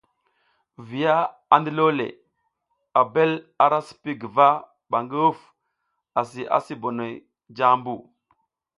Viya a ndilole, Abel ara sii guva ɓa ngi huf asi asi bonoy jaʼmbu.